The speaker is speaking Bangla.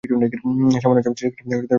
সামান্য চাপ সৃষ্টি করে পেছনে টেনে নেব।